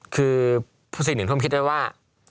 คือสิ่งหนึ่งผมคิดไว้ว่า